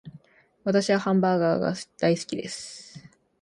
私はハンバーガーが大好きです